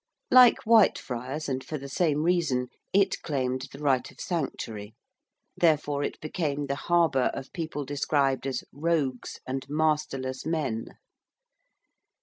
Like Whitefriars, and for the same reason, it claimed the right of Sanctuary: therefore it became the harbour of people described as 'rogues and masterless men.'